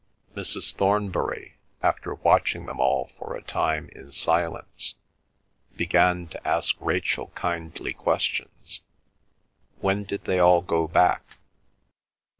Mrs. Thornbury, after watching them all for a time in silence, began to ask Rachel kindly questions—When did they all go back?